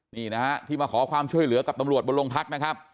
นี่นะฮะที่มาขอความช่วยเหลือกับตำรวจบนโรงพักนะครับ